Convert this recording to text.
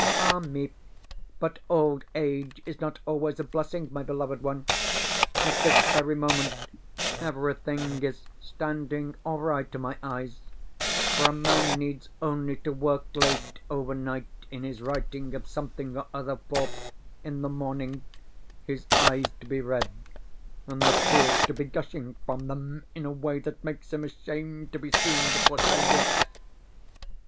Ah me, but old age is not always a blessing, my beloved one! At this very moment everything is standing awry to my eyes, for a man needs only to work late overnight in his writing of something or other for, in the morning, his eyes to be red, and the tears to be gushing from them in a way that makes him ashamed to be seen before strangers.